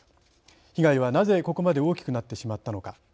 被害はなぜ、ここまで大きくなってしまったのか。